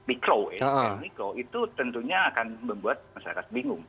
itu tentunya akan membuat masyarakat bingung